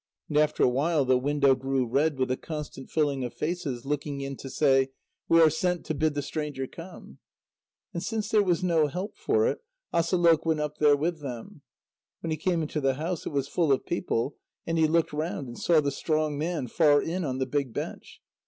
And after a while, the window grew red with a constant filling of faces looking in to say: "We are sent to bid the stranger come." And since there was no help for it, Asalôq went up there with them. When he came into the house, it was full of people, and he looked round and saw the strong man far in on the big bench.